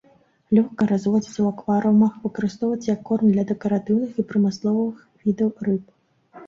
Лёгка разводзіцца ў акварыумах, выкарыстоўваецца як корм для дэкаратыўных і прамысловых відаў рыб.